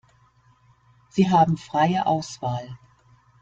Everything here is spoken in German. Sie haben freie Auswahl.